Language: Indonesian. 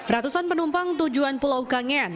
ratusan penumpang tujuan pulau kangean